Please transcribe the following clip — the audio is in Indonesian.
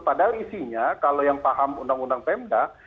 padahal isinya kalau yang paham undang undang pemda